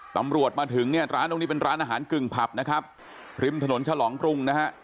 ตำรวจมาถึงเนี่ยร้านตรงนี้เป็นร้านอาหารกึ่งผับนะครับริมถนนฉลองกรุงนะฮะ